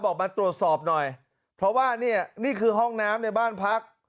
บอกมาตรวจสอบหน่อยเพราะว่าเนี่ยนี่คือห้องน้ำในบ้านพัก